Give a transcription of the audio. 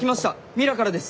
ミラからです！